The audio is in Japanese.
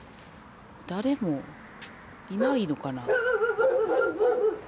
誰もいないのかな。